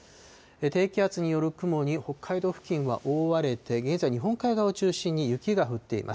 低気圧による雲に北海道付近は覆われて、現在、日本海側を中心に雪が降っています。